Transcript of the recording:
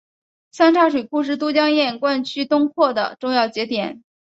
三岔水库是都江堰灌区东扩的重要节点。